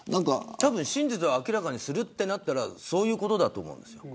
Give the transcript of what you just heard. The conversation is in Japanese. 真実を明らかにするとなったらそういうことだと思うんです。